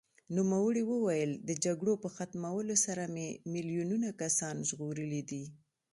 نوموړي وویل، د جګړو په ختمولو سره مې میلیونونه کسان ژغورلي دي.